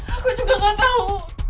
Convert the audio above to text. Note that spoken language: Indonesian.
aku juga gak tau